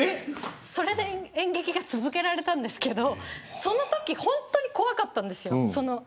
それで演劇が続けられたんですけどそのとき本当に怖かったんです。